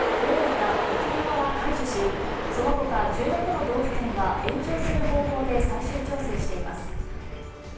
山形、島根、山口、大分、沖縄は解除しその他１６の道府県は延長する方向で最終調整しています。